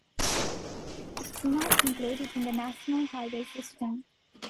It is not included in the National Highway System.